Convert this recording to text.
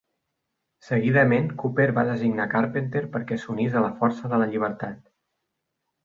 Seguidament Cooper va designar Carpenter per què s'unís a la Força de la Llibertat.